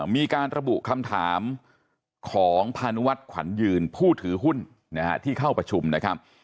มีการระบุคำถามของพานุวัฒน์ขวัญยืนผู้ถือหุ้นที่เข้าประชุมนะครับ